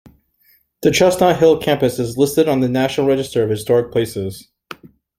The Chestnut Hill campus is listed on the National Register of Historic Places.